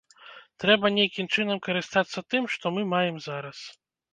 Трэба нейкім чынам карыстацца тым, што мы маем зараз.